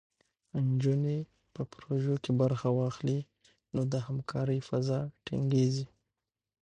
نجونې په پروژو کې برخه واخلي، نو د همکارۍ فضا ټینګېږي.